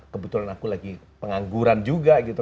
kebetulan aku lagi pengangguran juga gitu